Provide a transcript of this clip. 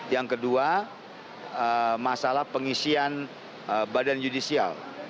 yang kedua masalah pengisian badan judisial